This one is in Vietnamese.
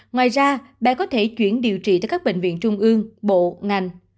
ngoài ra bà có thể chuyển điều trị tới các bệnh viện trung ương bộ ngành